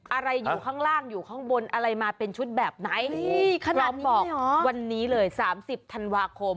อะไรอยู่ข้างล่างอยู่ข้างบนอะไรมาเป็นชุดแบบไหนนี่ขนมบอกวันนี้เลย๓๐ธันวาคม